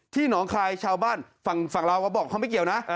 ที่น้องทัยชาวบ้านฝั่งราวพยาบาลบอกให้พวกไม่เกี่ยวนะ